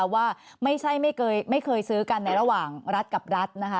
ว่าไม่เคยซื้อกันในระหว่างรัฐกับรัฐนะคะ